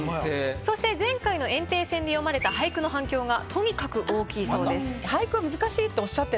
そして前回の炎帝戦で詠まれた俳句の反響がとにかく大きいそうです。